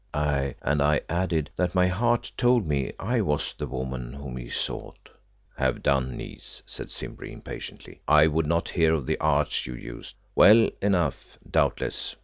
Aye, and I added that my heart told me I was the woman whom he sought." "Have done, niece," said Simbri impatiently, "I would not hear of the arts you used well enough, doubtless.